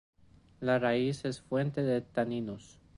La raíz es fuente de taninos.